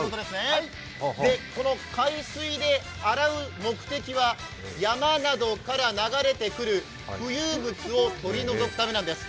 海水で洗う目的は、山などから流れてくる浮遊物を取り除くためなんです。